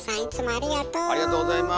ありがとうございます。